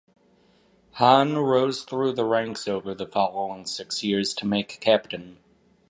Haan rose through the ranks over the following six years to make Captain.